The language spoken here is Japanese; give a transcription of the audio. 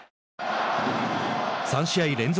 ３試合連続